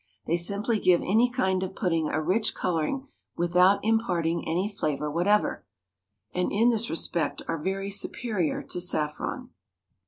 They simply give any kind of pudding a rich colouring without imparting any flavour whatever, and in this respect are very superior to saffron.